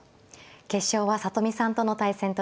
決勝は里見さんとの対戦となります。